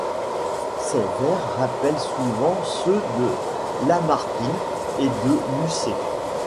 Ses vers rappellent souvent ceux de Lamartine et de Musset.